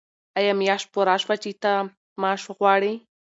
آیا میاشت پوره شوه چې ته معاش غواړې؟